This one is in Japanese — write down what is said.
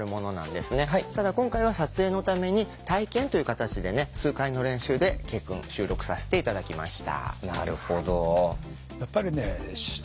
ただ今回は撮影のために体験という形でね数回の練習でケイくん収録させて頂きました。